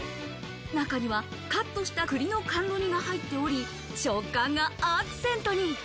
中にはカットした栗の甘露煮が入っており、食感がアクセントに。